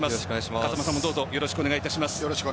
風間さんもどうぞよろしくお願いします。